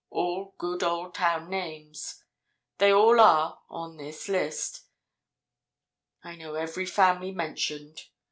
All good old town names. They all are—on this list. I know every family mentioned.